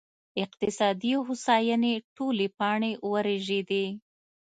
اقتصادي هوساینې ټولې پاڼې ورژېدې